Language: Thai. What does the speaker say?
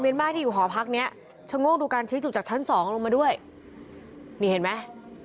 เมียนมาที่หอพรรคเนี่ยจะโง่นดูการชี้จุดกับชั้น๒ลงมาด้วยมีเห็นไหม